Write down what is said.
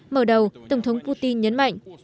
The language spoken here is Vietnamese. mở đầu tổng thống putin nhấn mạnh